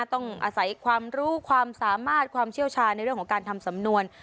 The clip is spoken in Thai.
ต้องอาศัยความรู้ความสามารถความเชี่ยวชาญในเรื่องของการทำสำนวน